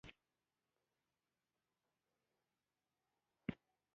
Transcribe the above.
اوښ د افغانستان د ځانګړي ډول جغرافیه استازیتوب کوي.